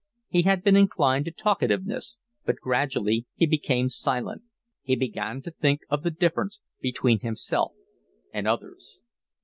He had been inclined to talkativeness, but gradually he became silent. He began to think of the difference between himself and others.